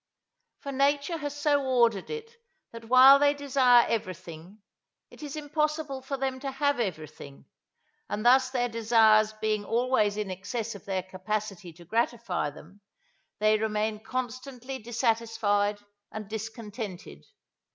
For nature has so ordered it that while they desire everything, it is impossible for them to have everything, and thus their desires being always in excess of their capacity to gratify them, they remain constantly dissatisfied and discontented.